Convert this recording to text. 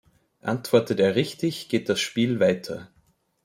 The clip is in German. Antwortet er richtig, geht das Spiel weiter.